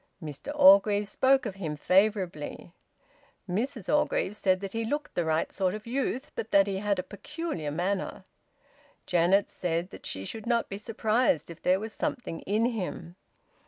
Mr Orgreave spoke of him favourably. Mrs Orgreave said that he looked the right sort of youth, but that he had a peculiar manner. Janet said that she should not be surprised if there was something in him.